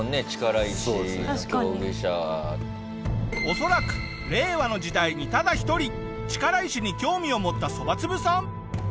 恐らく令和の時代にただ一人力石に興味を持ったそばつぶさん。